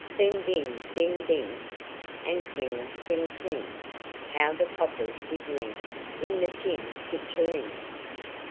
Then ding, ding, ding, And kling, kling, kling, How the coppers did ring In the tin pitcherling.